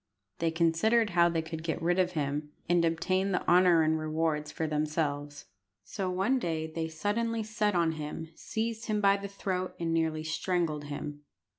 They considered how they could get rid of him, and obtain the honour and rewards for themselves. So one day they suddenly set on him, seized him by the throat, and nearly strangled him.